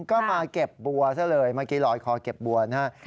ก็มาเก็บบัวซะเลยเมื่อกี้ลอยคอเก็บบัวนะฮะ